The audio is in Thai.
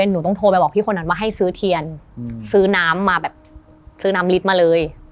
หนูต้องโทรไปบอกพี่คนนั้นว่าให้ซื้อเทียนซื้อน้ำลิสต์มาเลย